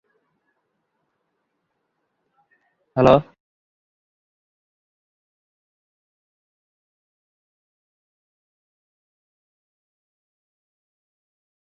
এই উদ্যোগকে সমর্থন করেছিলেন Adam Gilchrist, Gautam Gambhir, Shane এবং আরও অনেকে যারা স্টেডিয়ামে গোঁফ খেলা করেছিলেন।